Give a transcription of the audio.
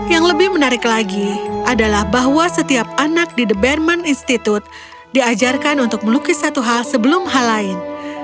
yang lebih menarik lagi adalah bahwa setiap anak di the berman institute diajarkan untuk melukis satu hal sebelum hal lain